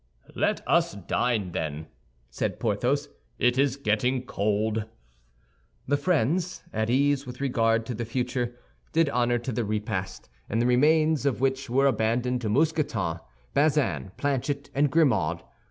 "Let us dine, then," said Porthos; "it is getting cold." The friends, at ease with regard to the future, did honor to the repast, the remains of which were abandoned to Mousqueton, Bazin, Planchet, and Grimaud.